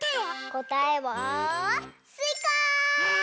こたえはすいか！